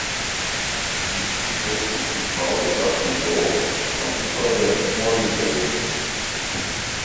Es liegt südwestlich des Mount Jacquinot am Ufer der Huon Bay.